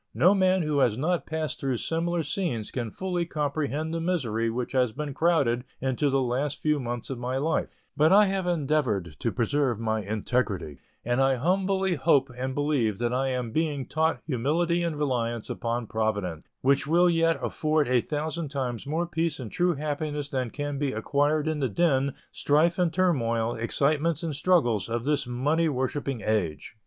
No man who has not passed through similar scenes can fully comprehend the misery which has been crowded into the last few months of my life; but I have endeavored to preserve my integrity, and I humbly hope and believe that I am being taught humility and reliance upon Providence, which will yet afford a thousand times more peace and true happiness than can be acquired in the din, strife and turmoil, excitements and struggles of this money worshipping age.